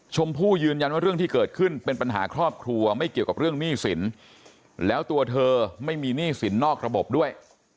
ชมพู่ยืนยันว่าเรื่องที่เกิดขึ้นเป็นปัญหาครอบครัวไม่เกี่ยวกับเรื่องหนี้สินแล้วตัวเธอไม่มีหนี้สินนอกระบบด้วย